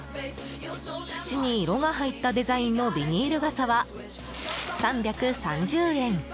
縁に色が入ったデザインのビニール傘は、３３０円。